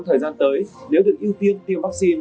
thời gian tới nếu được ưu tiên tiêm vắc xin